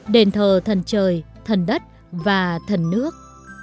đền thờ thần trời thần đất và thần nước